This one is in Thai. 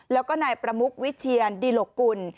แล้วก็นายประมุกวิเชียนดิหลกกุล